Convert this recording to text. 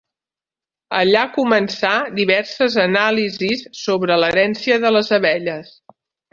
Allà començà diverses anàlisis sobre l'herència de les abelles.